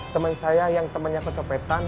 temen saya yang temennya kecopetan